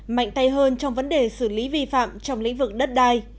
mạnh tay hơn trong vấn đề xử lý vi phạm trong lĩnh vực đất đai